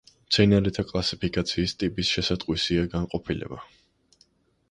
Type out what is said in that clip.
მცენარეთა კლასიფიკაციისას ტიპის შესატყვისია განყოფილება.